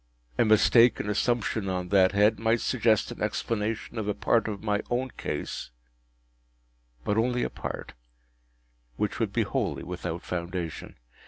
A mistaken assumption on that head might suggest an explanation of a part of my own case,—but only a part,—which would be wholly without foundation.